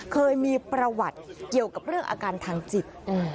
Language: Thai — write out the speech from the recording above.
เคยมีประวัติเกี่ยวกับเรื่องอาการทางจิต